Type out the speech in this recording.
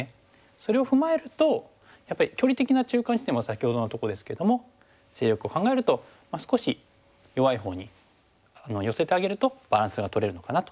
それを踏まえるとやっぱり距離的な中間地点は先ほどのとこですけども勢力を考えると少し弱いほうに寄せてあげるとバランスがとれるのかなと。